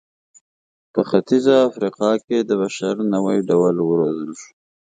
په ختیځه افریقا کې د بشر نوي ډولونه وروزل شول.